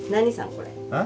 これ。